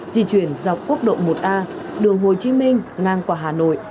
di chuyển dọc quốc lộ một a đường hồ chí minh ngang qua hà nội